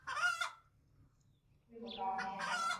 دوب مرنے کا کوئی مقام ہے